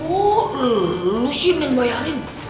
oh lo sin yang bayarin makasih banget ya sin